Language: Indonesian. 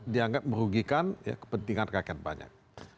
dianggap merugikan kepentingan rakyat banyak